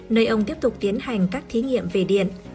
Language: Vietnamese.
nơi ông tiếp tục tiến hành các thí nghiệm về điện